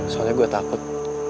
soalnya gue takut